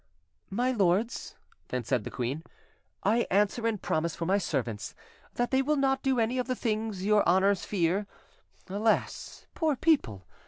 "My lords," then said the queen, "I answer and promise for my servants, that they will not do any of the things your honours fear. Alas! poor people!